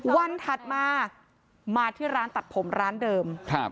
ถัดมามาที่ร้านตัดผมร้านเดิม